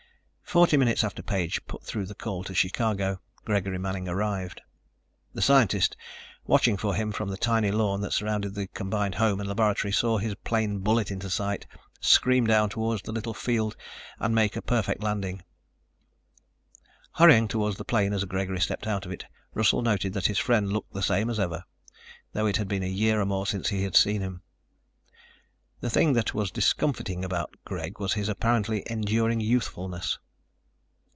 Forty minutes after Page put through the call to Chicago, Gregory Manning arrived. The scientist, watching for him from the tiny lawn that surrounded the combined home and laboratory, saw his plane bullet into sight, scream down toward the little field and make a perfect landing. Hurrying toward the plane as Gregory stepped out of it, Russell noted that his friend looked the same as ever, though it had been a year or more since he had seen him. The thing that was discomfiting about Greg was his apparently enduring youthfulness.